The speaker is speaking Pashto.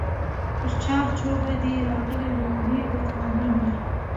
تر چار چوبه دی راغلې لېونۍ د ځوانۍ مینه